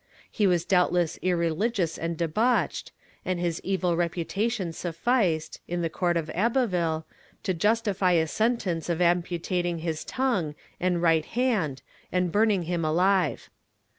He was doubtless irreligious and debauched, and his evil reputation sufficed, in the court of Abbeville, to justify a sentence of amputating his tongue and right hand and burning him ahve.